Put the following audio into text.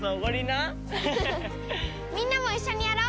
みんなも一緒にやろ！